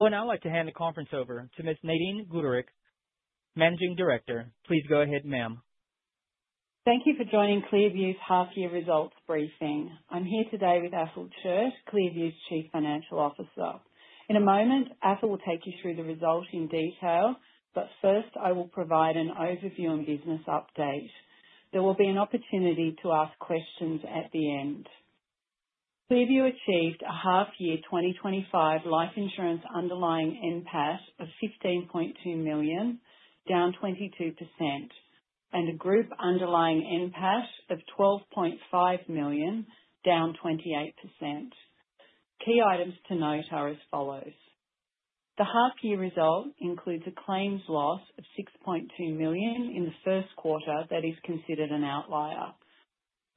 I'd like to hand the conference over to Ms. Nadine Gooderick, Managing Director. Please go ahead, ma'am. Thank you for joining ClearView's half-year results briefing. I'm here today with Athol Chiert, ClearView's Chief Financial Officer. In a moment, Athol will take you through the results in detail, but first I will provide an overview and business update. There will be an opportunity to ask questions at the end. ClearView achieved a half-year 2025 life insurance underlying NPAT of 15.2 million, down 22%, and a group underlying NPAT of 12.5 million, down 28%. Key items to note are as follows. The half-year result includes a claims loss of 6.2 million in the first quarter that is considered an outlier.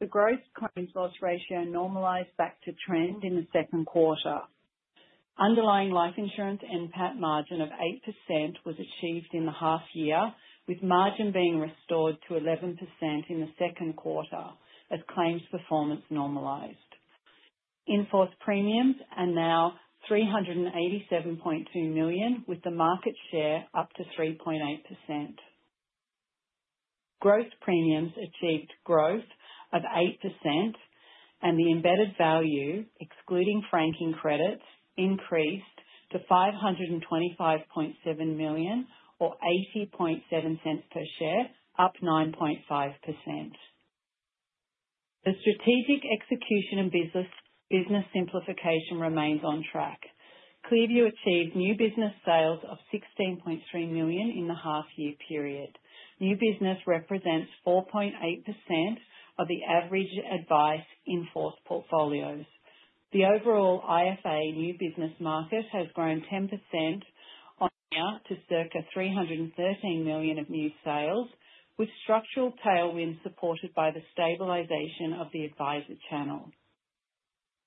The gross claims loss ratio normalized back to trend in the second quarter. Underlying life insurance NPAT margin of 8% was achieved in the half-year, with margin being restored to 11% in the second quarter as claims performance normalized. Enforced premiums are now 387.2 million, with the market share up to 3.8%. Gross premiums achieved growth of 8%, and the embedded value, excluding franking credits, increased to 525.7 million, or 0.807 per share, up 9.5%. The strategic execution and business simplification remains on track. ClearView achieved new business sales of 16.3 million in the half-year period. New business represents 4.8% of the average advice in-force portfolios. The overall IFA new business market has grown 10% on year to circa 313 million of new sales, with structural tailwinds supported by the stabilization of the adviser channel.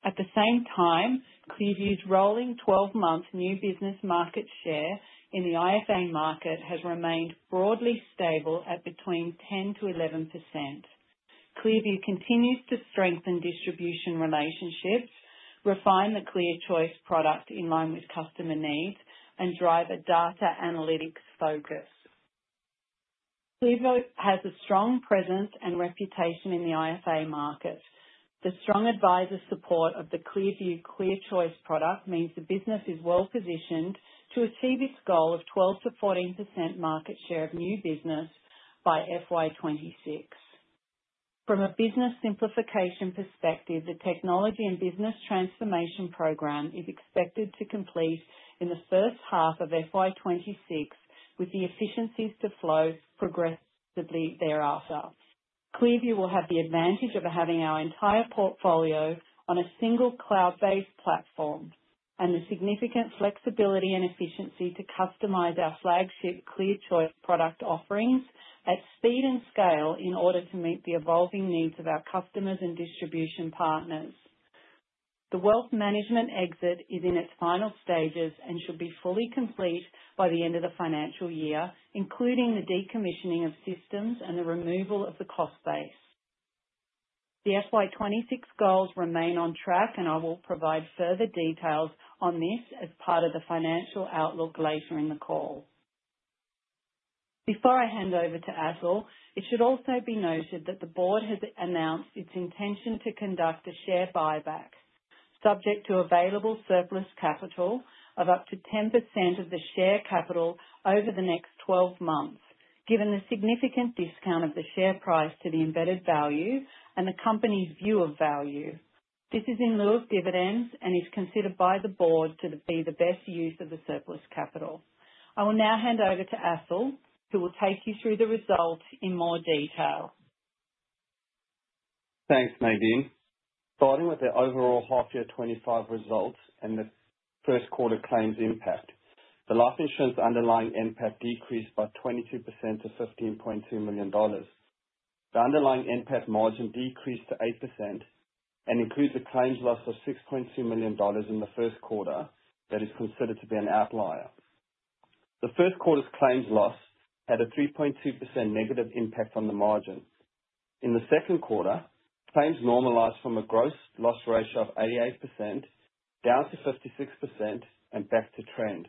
At the same time, ClearView's rolling 12-month new business market share in the IFA market has remained broadly stable at between 10-11%. ClearView continues to strengthen distribution relationships, refine the ClearChoice product in line with customer needs, and drive a data analytics focus. ClearView has a strong presence and reputation in the IFA market. The strong advisor support of the ClearView ClearChoice product means the business is well positioned to achieve its goal of 12-14% market share of new business by FY2026. From a business simplification perspective, the technology and business transformation program is expected to complete in the first half of FY2026, with the efficiencies to flow progressively thereafter. ClearView will have the advantage of having our entire portfolio on a single cloud-based platform and the significant flexibility and efficiency to customize our flagship ClearChoice product offerings at speed and scale in order to meet the evolving needs of our customers and distribution partners. The wealth management exit is in its final stages and should be fully complete by the end of the financial year, including the decommissioning of systems and the removal of the cost base. The FY26 goals remain on track, and I will provide further details on this as part of the financial outlook later in the call. Before I hand over to Athol, it should also be noted that the board has announced its intention to conduct a share buyback, subject to available surplus capital of up to 10% of the share capital over the next 12 months, given the significant discount of the share price to the embedded value and the company's view of value. This is in lieu of dividends and is considered by the board to be the best use of the surplus capital. I will now hand over to Athol, who will take you through the result in more detail. Thanks, Nadine. Starting with the overall half-year 2025 results and the first quarter claims impact, the life insurance underlying NPAT decreased by 22% to 15.2 million dollars. The underlying NPAT margin decreased to 8% and includes a claims loss of 6.2 million dollars in the first quarter that is considered to be an outlier. The first quarter's claims loss had a 3.2% negative impact on the margin. In the second quarter, claims normalized from a gross loss ratio of 88% down to 56% and back to trend.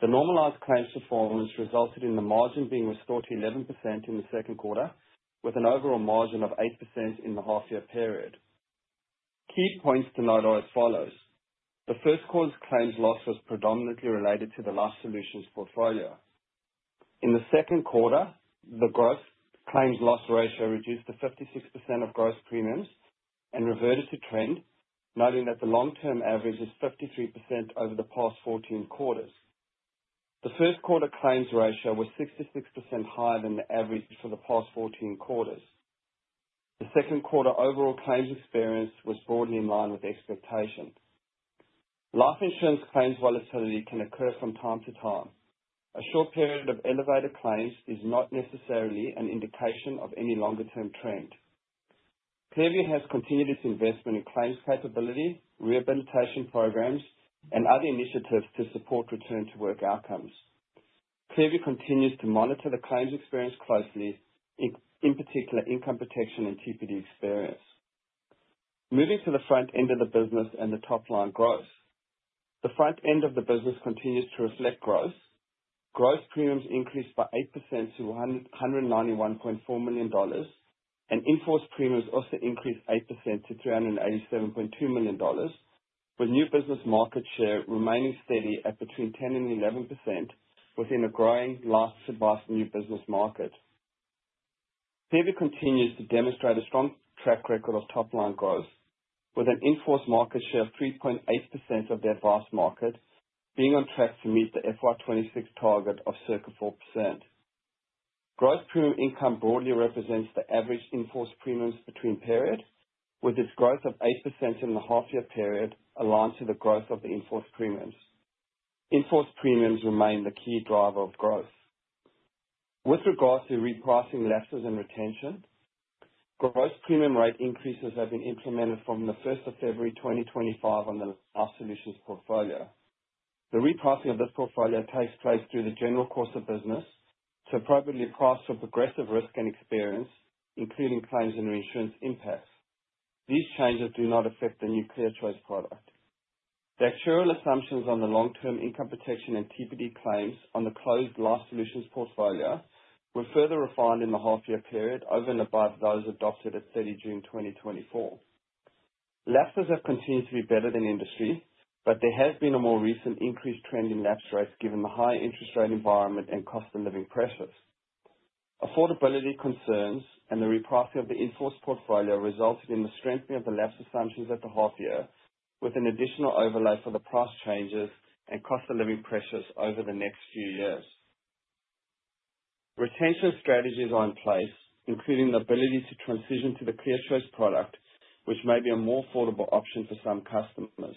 The normalized claims performance resulted in the margin being restored to 11% in the second quarter, with an overall margin of 8% in the half-year period. Key points to note are as follows. The first quarter's claims loss was predominantly related to the LifeSolutions portfolio. In the second quarter, the gross claims loss ratio reduced to 56% of gross premiums and reverted to trend, noting that the long-term average is 53% over the past 14 quarters. The first quarter claims ratio was 66%, higher than the average for the past 14 quarters. The second quarter overall claims experience was broadly in line with expectations. Life insurance claims volatility can occur from time to time. A short period of elevated claims is not necessarily an indication of any longer-term trend. ClearView has continued its investment in claims capability, rehabilitation programs, and other initiatives to support return-to-work outcomes. ClearView continues to monitor the claims experience closely, in particular income protection and TPD experience. Moving to the front end of the business and the top line growth. The front end of the business continues to reflect growth. Gross premiums increased by 8% to 191.4 million dollars, and in-force premiums also increased 8% to 387.2 million dollars, with new business market share remaining steady at between 10% and 11% within a growing Life Advice new business market. ClearView continues to demonstrate a strong track record of top line growth, with an in-force market share of 3.8% of the advised market being on track to meet the fiscal year 2026 target of circa 4%. Gross premium income broadly represents the average in-force premiums between periods, with its growth of 8% in the half-year period aligned to the growth of the in-force premiums. Enforced premiums remain the key driver of growth. With regards to repricing lapses and retention, gross premium rate increases have been implemented from the 1st of February 2025 on the LifeSolutions portfolio. The repricing of this portfolio takes place through the general course of business to appropriately price for progressive risk and experience, including claims and reinsurance impacts. These changes do not affect the new ClearChoice product. The actual assumptions on the long-term income protection and TPD claims on the closed life solutions portfolio were further refined in the half-year period over and above those adopted at 30 June 2024. Lapses have continued to be better than industry, but there has been a more recent increased trend in lapse rates given the high interest rate environment and cost of living pressures. Affordability concerns and the repricing of the in-force portfolio resulted in the strengthening of the lapse assumptions at the half-year, with an additional overlay for the price changes and cost of living pressures over the next few years. Retention strategies are in place, including the ability to transition to the ClearChoice product, which may be a more affordable option for some customers.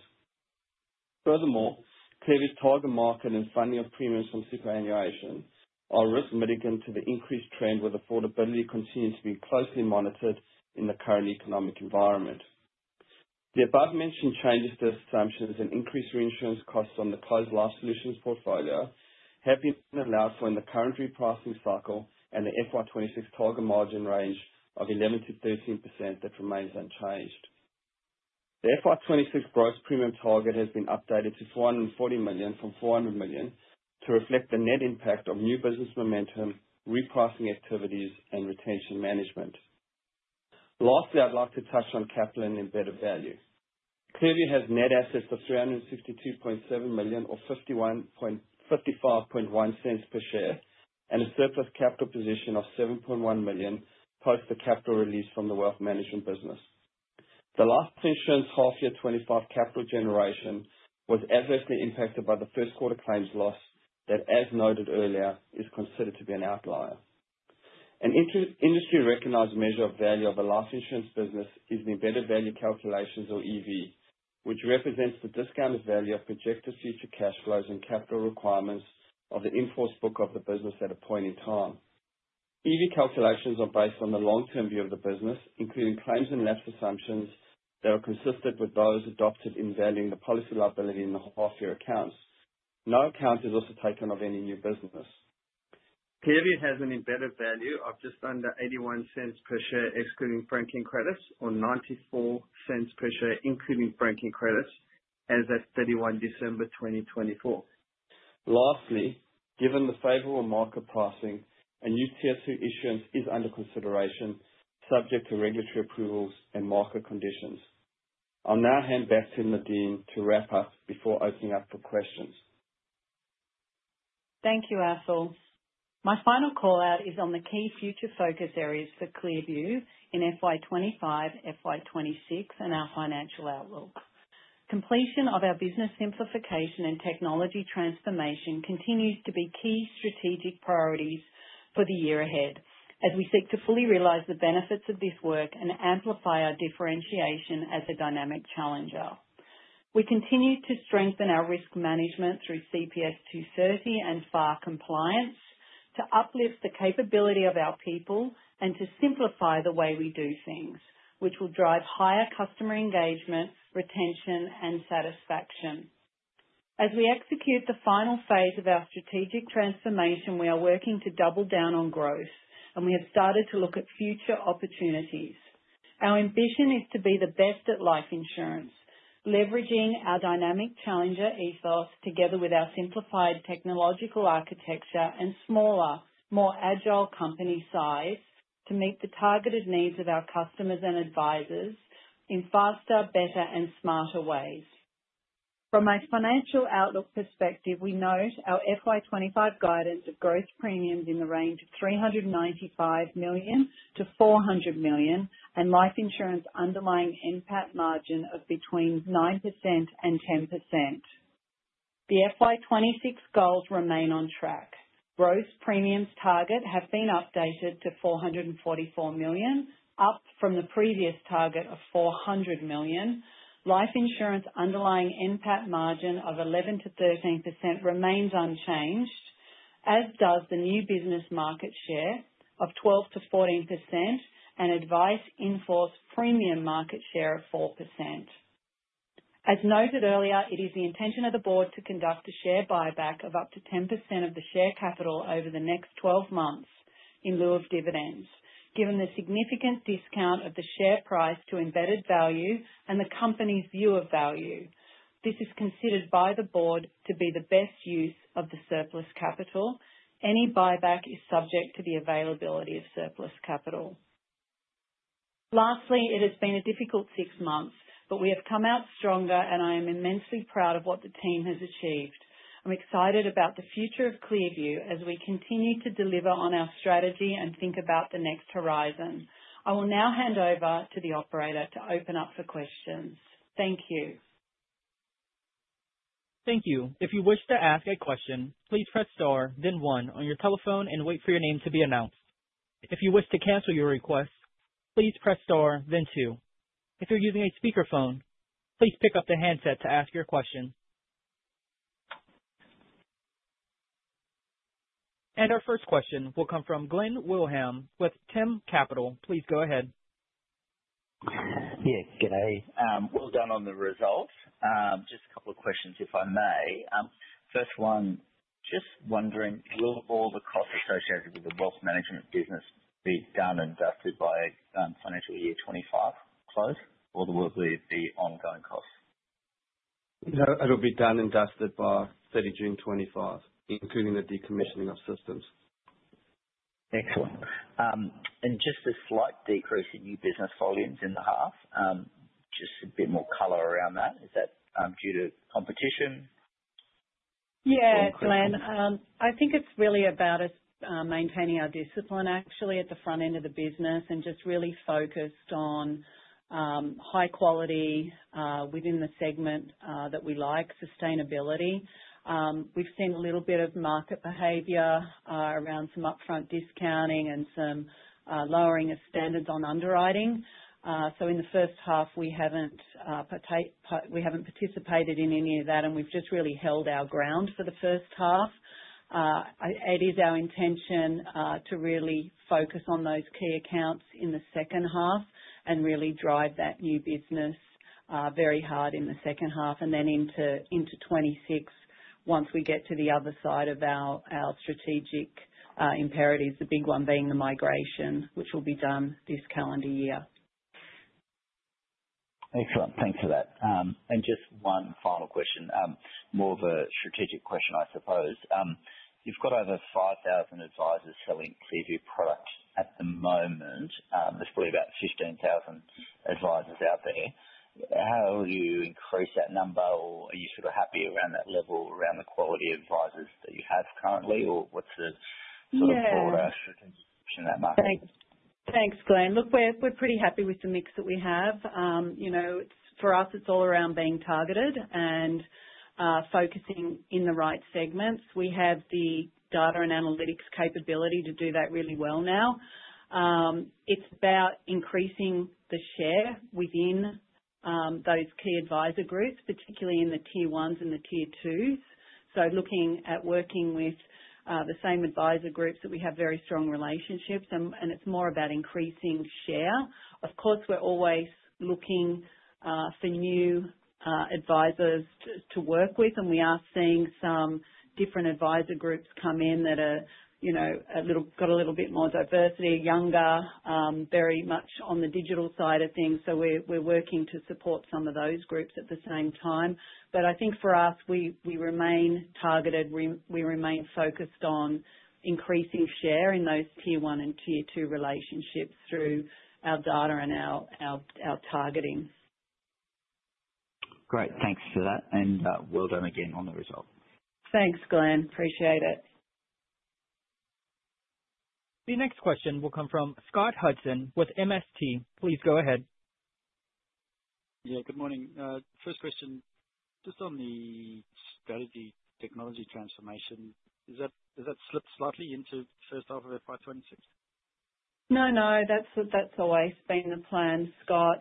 Furthermore, ClearView's target market and funding of premiums from superannuation are risk-mitigant to the increased trend, with affordability continuing to be closely monitored in the current economic environment. The above-mentioned changes to assumptions and increased reinsurance costs on the closed LifeSolutions portfolio have been allowed for in the current repricing cycle and the FY26 target margin range of 11-13% that remains unchanged. The FY26 gross premium target has been updated to 440 million from 400 million to reflect the net impact of new business momentum, repricing activities, and retention management. Lastly, I'd like to touch on capital and embedded value. ClearView has net assets of 362.7 million, or 0.551 per share, and a surplus capital position of 7.1 million post the capital release from the wealth management business. The life insurance half-year 2025 capital generation was adversely impacted by the first quarter claims loss that, as noted earlier, is considered to be an outlier. An industry-recognized measure of value of a life insurance business is the embedded value calculations, or EV, which represents the discounted value of projected future cash flows and capital requirements of the in-force book of the business at a point in time. EV calculations are based on the long-term view of the business, including claims and lapse assumptions that are consistent with those adopted in valuing the policy liability in the half-year accounts. No account is also taken of any new business. ClearView has an embedded value of just under 0.81 per share, excluding franking credits, or 0.94 per share, including franking credits, as of 31 December 2024. Lastly, given the favorable market pricing, a new tier two issuance is under consideration, subject to regulatory approvals and market conditions. I'll now hand back to Nadine to wrap up before opening up for questions. Thank you, Athol. My final call-out is on the key future focus areas for ClearView in FY25, FY26, and our financial outlook. Completion of our business simplification and technology transformation continues to be key strategic priorities for the year ahead as we seek to fully realize the benefits of this work and amplify our differentiation as a dynamic challenger. We continue to strengthen our risk management through CPS 230 and FAR compliance to uplift the capability of our people and to simplify the way we do things, which will drive higher customer engagement, retention, and satisfaction. As we execute the final phase of our strategic transformation, we are working to double down on growth, and we have started to look at future opportunities. Our ambition is to be the best at life insurance, leveraging our dynamic challenger ethos together with our simplified technological architecture and smaller, more agile company size to meet the targeted needs of our customers and advisers in faster, better, and smarter ways. From a financial outlook perspective, we note our FY2025 guidance of gross premiums in the range of 395 million-400 million and life insurance underlying NPAT margin of between 9% and 10%. The FY2026 goals remain on track. Gross premiums target have been updated to 444 million, up from the previous target of 400 million. Life insurance underlying NPAT margin of 11%-13% remains unchanged, as does the new business market share of 12%-14% and advice in-force premium market share of 4%. As noted earlier, it is the intention of the board to conduct a share buyback of up to 10% of the share capital over the next 12 months in lieu of dividends, given the significant discount of the share price to embedded value and the company's view of value. This is considered by the board to be the best use of the surplus capital. Any buyback is subject to the availability of surplus capital. Lastly, it has been a difficult six months, but we have come out stronger, and I am immensely proud of what the team has achieved. I'm excited about the future of ClearView as we continue to deliver on our strategy and think about the next horizon. I will now hand over to the operator to open up for questions. Thank you. Thank you. If you wish to ask a question, please press star, then one on your telephone, and wait for your name to be announced. If you wish to cancel your request, please press star, then two. If you're using a speakerphone, please pick up the handset to ask your question. Our first question will come from Glen Wilhelm with T.I.M. Capital. Please go ahead. Yeah, good day. Well done on the results. Just a couple of questions, if I may. First one, just wondering, will all the costs associated with the wealth management business be done and dusted by financial year 2025 close? Or will it be ongoing costs? No, it'll be done and dusted by 30 June 2025, including the decommissioning of systems. Excellent. Just a slight decrease in new business volumes in the half, just a bit more color around that. Is that due to competition? Yeah, Glen. I think it's really about us maintaining our discipline, actually, at the front end of the business and just really focused on high quality within the segment that we like, sustainability. We've seen a little bit of market behavior around some upfront discounting and some lowering of standards on underwriting. In the first half, we haven't participated in any of that, and we've just really held our ground for the first half. It is our intention to really focus on those key accounts in the second half and really drive that new business very hard in the second half and then into 2026 once we get to the other side of our strategic imperatives, the big one being the migration, which will be done this calendar year. Excellent. Thanks for that. Just one final question, more of a strategic question, I suppose. You've got over 5,000 advisors selling ClearView product at the moment. There's probably about 15,000 advisors out there. How will you increase that number? Are you sort of happy around that level, around the quality of advisors that you have currently? What's the sort of broader contribution to that market? Thanks, Glen. Look, we're pretty happy with the mix that we have. For us, it's all around being targeted and focusing in the right segments. We have the data and analytics capability to do that really well now. It's about increasing the share within those key advisor groups, particularly in the tier 1 and tier 2. Looking at working with the same advisor groups that we have very strong relationships, and it's more about increasing share. Of course, we're always looking for new advisors to work with, and we are seeing some different advisor groups come in that have got a little bit more diversity, younger, very much on the digital side of things. We're working to support some of those groups at the same time. I think for us, we remain targeted. We remain focused on increasing share in those tier one and tier two relationships through our data and our targeting. Great. Thanks for that. And well done again on the results. Thanks, Glen. Appreciate it. The next question will come from Scott Hudson with MST. Please go ahead. Yeah, good morning. First question, just on the strategy technology transformation, does that slip slightly into the first half of FY2026? No, no. That's always been the plan, Scott.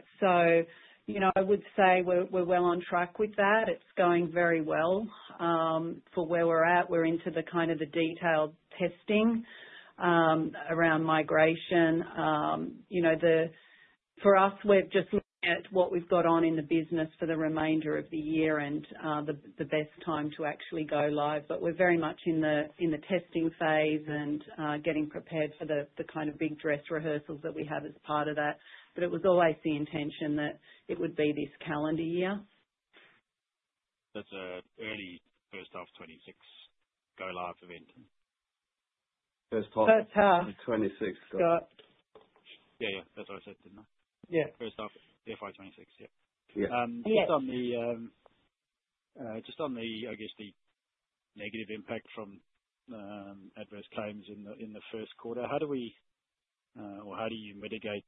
I would say we're well on track with that. It's going very well for where we're at. We're into the kind of the detailed testing around migration. For us, we're just looking at what we've got on in the business for the remainder of the year and the best time to actually go live. We're very much in the testing phase and getting prepared for the kind of big dress rehearsals that we have as part of that. It was always the intention that it would be this calendar year. That's an early first half 2026 go live event. First half 2026. First half. Yeah, yeah. That's what I said, didn't I? Yeah. First half of FY26, yeah. Just on the, I guess, the negative impact from adverse claims in the first quarter, how do we or how do you mitigate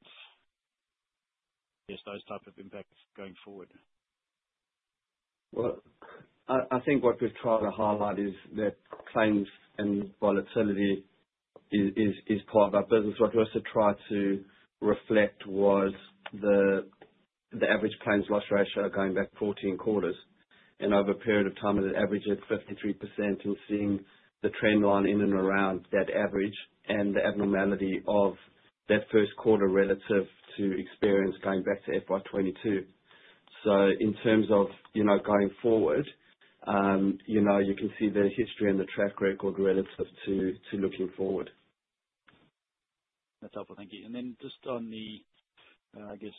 those types of impacts going forward? I think what we've tried to highlight is that claims and volatility is part of our business. What we also tried to reflect was the average claims loss ratio going back 14 quarters. Over a period of time, it averaged at 53% and seeing the trend line in and around that average and the abnormality of that first quarter relative to experience going back to FY2022. In terms of going forward, you can see the history and the track record relative to looking forward. That's helpful. Thank you. Just on the, I guess,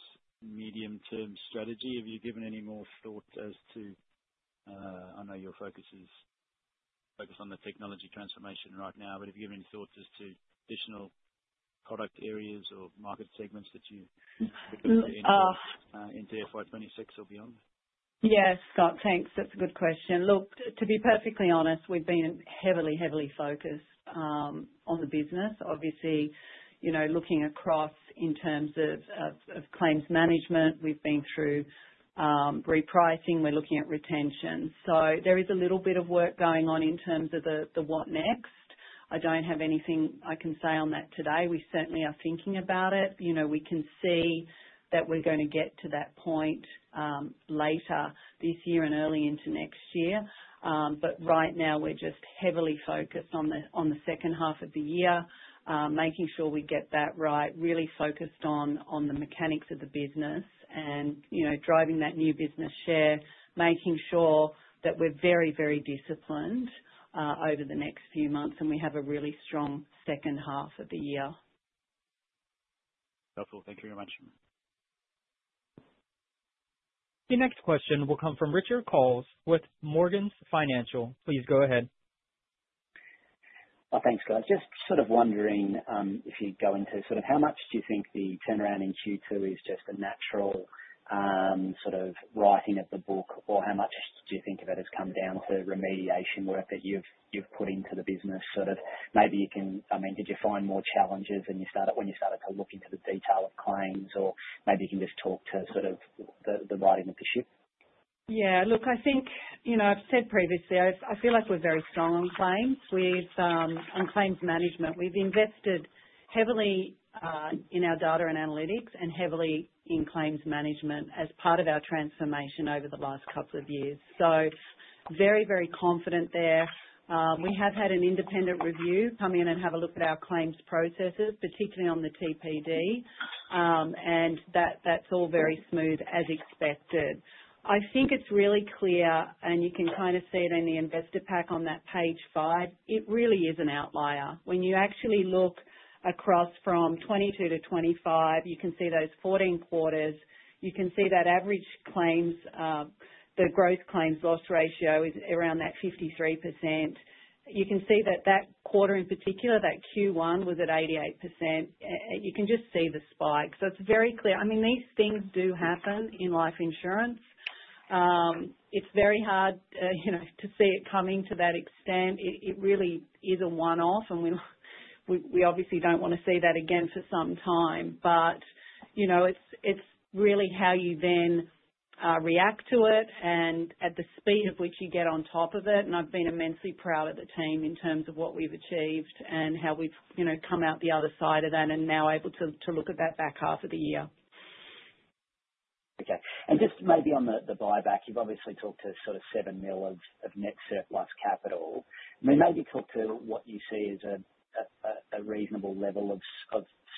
medium-term strategy, have you given any more thought as to, I know your focus is focused on the technology transformation right now, but have you given any thoughts as to additional product areas or market segments that you would consider into Morgans Financial or beyond? Yes, Scott, thanks. That's a good question. Look, to be perfectly honest, we've been heavily, heavily focused on the business. Obviously, looking across in terms of claims management, we've been through repricing. We're looking at retention. There is a little bit of work going on in terms of the what next. I don't have anything I can say on that today. We certainly are thinking about it. We can see that we're going to get to that point later this year and early into next year. Right now, we're just heavily focused on the second half of the year, making sure we get that right, really focused on the mechanics of the business and driving that new business share, making sure that we're very, very disciplined over the next few months and we have a really strong second half of the year. Helpful. Thank you very much. The next question will come from Richard Coles with Morgans Financial. Please go ahead. Thanks, Glen. Just sort of wondering if you go into sort of how much do you think the turnaround in Q2 is just a natural sort of writing of the book? Or how much do you think of it has come down to remediation work that you've put into the business? Sort of maybe you can, I mean, did you find more challenges when you started to look into the detail of claims? Or maybe you can just talk to sort of the righting of the ship? Yeah. Look, I think I've said previously, I feel like we're very strong on claims. On claims management, we've invested heavily in our data and analytics and heavily in claims management as part of our transformation over the last couple of years. So very, very confident there. We have had an independent review come in and have a look at our claims processes, particularly on the TPD, and that's all very smooth as expected. I think it's really clear, and you can kind of see it in the investor pack on that page five. It really is an outlier. When you actually look across from 2022 to 2025, you can see those 14 quarters. You can see that average claims, the gross claims loss ratio is around that 53%. You can see that that quarter in particular, that Q1 was at 88%. You can just see the spike. It is very clear. I mean, these things do happen in life insurance. It is very hard to see it coming to that extent. It really is a one-off, and we obviously do not want to see that again for some time. It is really how you then react to it and at the speed at which you get on top of it. I have been immensely proud of the team in terms of what we have achieved and how we have come out the other side of that and now able to look at that back half of the year. Okay. And just maybe on the buyback, you've obviously talked to sort of 7 million of net surplus capital. I mean, maybe talk to what you see as a reasonable level of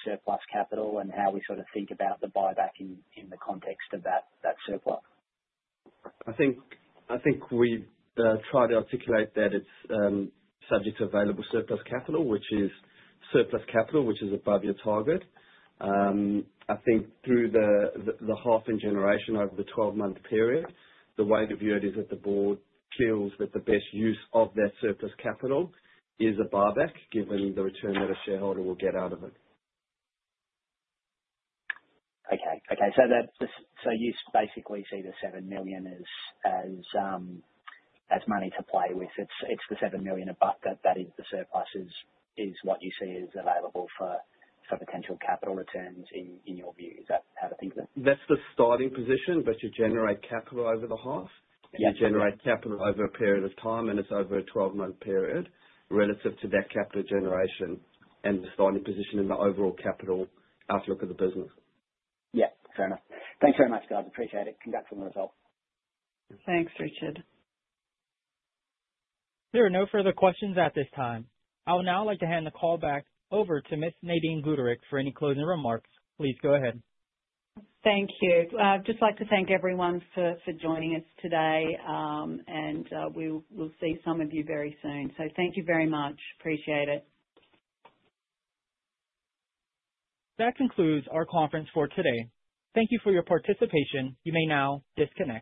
surplus capital and how we sort of think about the buyback in the context of that surplus. I think we've tried to articulate that it's subject to available surplus capital, which is surplus capital which is above your target. I think through the half in generation over the 12-month period, the way that viewed is that the board feels that the best use of that surplus capital is a buyback given the return that a shareholder will get out of it. Okay. Okay. You basically see the $7 million as money to play with. It's the $7 million above that that is the surplus, is what you see as available for potential capital returns in your view. Is that how to think of it? That's the starting position, but you generate capital over the half. You generate capital over a period of time, and it's over a 12-month period relative to that capital generation and the starting position and the overall capital outlook of the business. Yeah. Fair enough. Thanks very much, guys. Appreciate it. Congrats on the result. Thanks, Richard. There are no further questions at this time. I would now like to hand the call back over to Ms. Nadine Gooderick for any closing remarks. Please go ahead. Thank you. I'd just like to thank everyone for joining us today, and we'll see some of you very soon. Thank you very much. Appreciate it. That concludes our conference for today. Thank you for your participation. You may now disconnect.